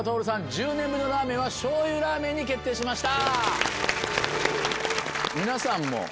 １０年目のラーメンはしょうゆラーメンに決定しました。